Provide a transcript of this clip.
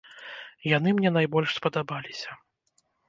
Яны мне найбольш спадабаліся.